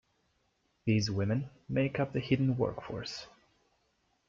These women make up the hidden work force.